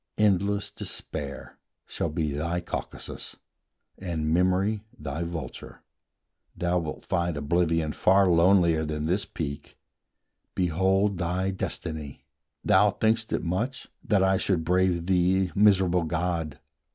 Endless despair shall be thy Caucasus, And memory thy vulture; thou wilt find Oblivion far lonelier than this peak, Behold thy destiny! Thou think'st it much That I should brave thee, miserable god!